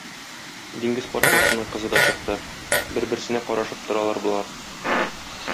Диңгез патшасының кызы да чыкты, бер-берсенә карашып торалар болар.